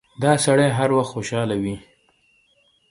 دا سړی هر وخت خوشاله وي.